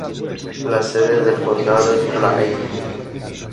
La sede del condado es Blair.